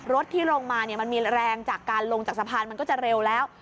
ที่ลงมามันมีแรงจากการลงจากสะพานมันก็จะเร็วแล้ว